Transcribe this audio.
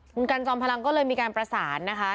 คุณกันจอมพลังก็เลยมีการประสานนะคะ